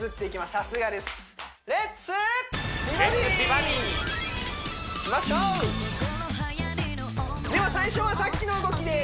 さすがですでは最初はさっきの動きです